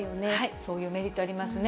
そういうメリットありますね。